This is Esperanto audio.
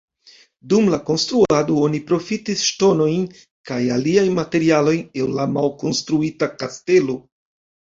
Dum la konstruado oni profitis ŝtonojn kaj aliaj materialojn el la malkonstruita kastelo.